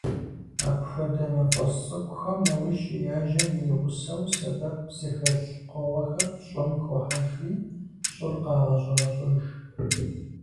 Апхуэдэ мафӏэс цӏыкӏухэм нэужь, яжьэм и гъусэу, сэбэп зыхэлъ пкъыгъуэхэр щӏым хохьэжри, щӏыр къагъэщӏэрэщӏэж.